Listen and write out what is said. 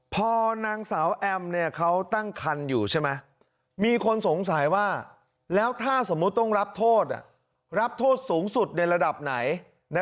เพอสาวแอมเนี่ยเขาตั้งคันอยู่ใช่มั้ยมีคนสงสัยว่าแล้วถ้าสมมติต้องรับโทษรับโทษศูนย์สุดในระดับไหนนะ